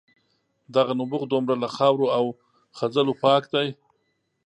دغه نبوغ دومره له خاورو او خځلو پاک دی.